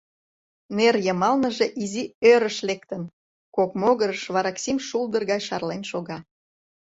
Нер йымалныже изи ӧрыш лектын, кок могырыш вараксим шулдыр гай шарлен шога.